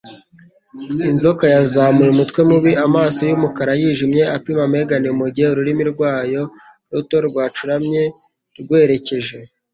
Inzoka yazamuye umutwe mubi, amaso yumukara yijimye apima Megan mugihe ururimi rwayo ruto rwacuramye rwerekeje.